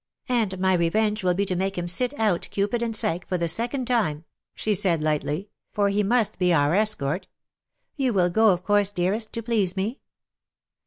" And my revenge will be to make him sit out * Cupid and Psyche^ for the second time/'' she said;, lightly, ^' for he must be our escort. You will go, of course, dearest, to please me